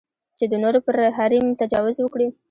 چې د نورو پر حریم تجاوز وکړي.